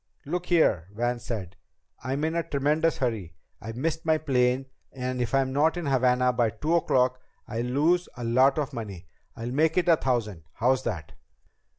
"Look here," Van said. "I'm in a tremendous hurry. I missed my plane, and if I'm not in Havana by two o'clock I'll lose a lot of money. I'll make it a thousand. How's that?"